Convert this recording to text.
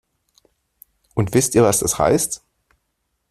Und wisst ihr, was das heißt?